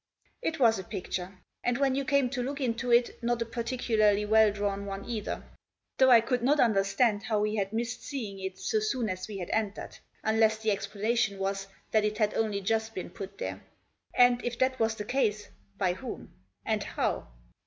It was a picture ; and, when you came to look into it, not a particularly well drawn one either. Though I could not understand how we had missed seeing it so soon as we had entered — unless the explanation was that it had only just been put there. And, if that was the case, by whom ? and how